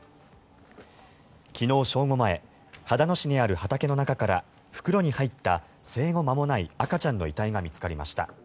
昨日正午前秦野市にある畑の中から袋に入った生後間もない赤ちゃんの遺体が見つかりました。